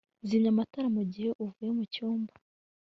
Zimya amatara mugihe uvuye mucyumba